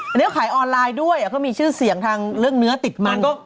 อันนี้ขายออนไลน์ด้วยก็มีชื่อเสียงทางเรื่องเนื้อติดมัน